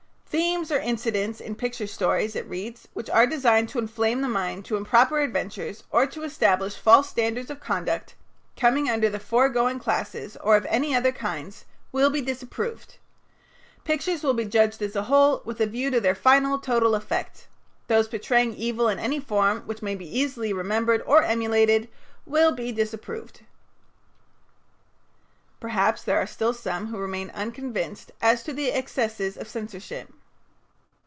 "Themes or incidents in picture stories," it reads, "which are designed to inflame the mind to improper adventures, or to establish false standards of conduct, coming under the foregoing classes, or of other kinds, will be disapproved. Pictures will be judged as a whole, with a view to their final total effect; those portraying evil in any form which may be easily remembered or emulated will be disapproved." Perhaps there are still some who remain unconvinced as to the excesses of censorship.